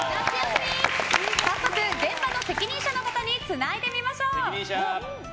早速現場の責任者の方につないでみましょう！